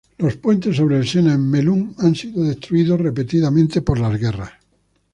Los puentes sobre el Sena en Melun han sido destruidos repetidamente por las guerras.